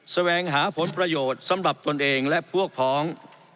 แสวงหาผลประโยชน์สำหรับตนเองและพวกพ้อง